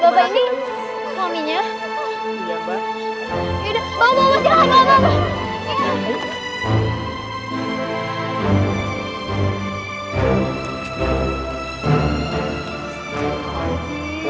ya udah bawa bawa bawa jangan bawa bawa bawa